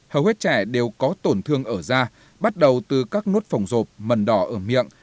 hầu hết trẻ đều có tổn thương ở da bắt đầu từ các nốt phòng rộp mần đỏ ở miệng